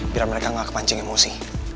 biar mereka gak kepancing emosi